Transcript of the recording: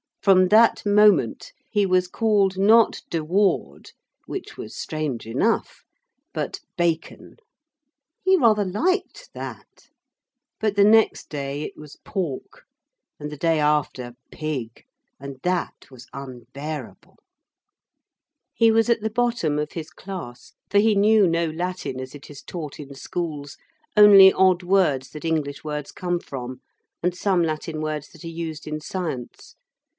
From that moment, he was called not de Ward, which was strange enough, but Bacon. He rather liked that. But the next day it was Pork, and the day after Pig, and that was unbearable. He was at the bottom of his class, for he knew no Latin as it is taught in schools, only odd words that English words come from, and some Latin words that are used in science.